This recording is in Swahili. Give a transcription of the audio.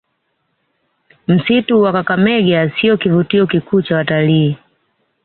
Msitu wa Kakamega siyo kivutio kikuu cha watalii